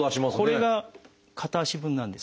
これが片足分なんです。